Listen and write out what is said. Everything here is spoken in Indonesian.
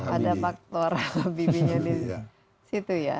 ada faktor habibie nya di situ ya